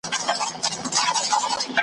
هر قدم مي لکه سیوری لېونتوب را سره مل دی .